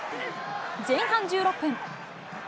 前半１６分。